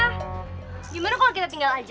gimana kalau kita tinggal aja